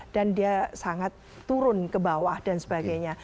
dan dia sangat turun ke bawah dan sebagainya